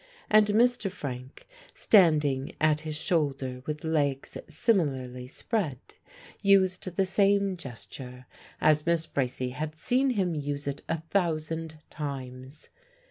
And Mr. Frank, standing at his shoulder with legs similarly spread, used the same gesture as Miss Bracy had seen him use it a thousand times.